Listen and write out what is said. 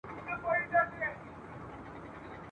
سجدې مي وړای ستا تر چارچوبه خو چي نه تېرېدای !.